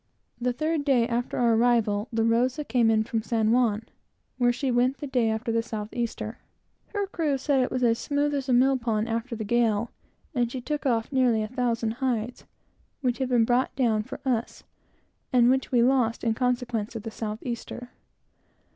The third day after our arrival, the Rosa came in from San Juan, where she went the day after the south easter. Her crew said it was as smooth as a mill pond, after the gale, and she took off nearly a thousand hides, which had been brought down for us, and which we lost in consequence of the south easter.